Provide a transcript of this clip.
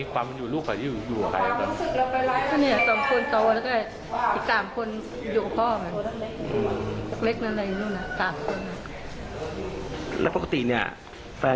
เขามีทรัพย์ตัดเสียงบ่อยแม่